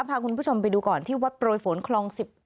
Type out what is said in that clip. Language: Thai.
พาคุณผู้ชมไปดูก่อนที่วัดโปรยฝนคลอง๑๑